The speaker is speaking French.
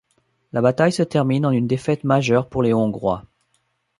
La bataille se termine en une défaite majeure pour les Hongrois.